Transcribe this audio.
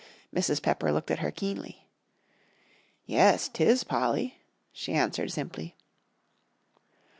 Mrs. Pepper looked at her keenly. "Yes, 'tis, Polly," she answered simply.